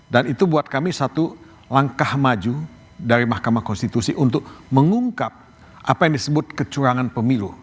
dan itu buat kami satu langkah maju dari mahkamah konstitusi untuk mengungkap apa yang disebut kecurangan pemilu